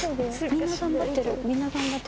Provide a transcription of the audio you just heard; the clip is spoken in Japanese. みんな頑張ってる。